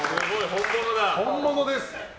本物です！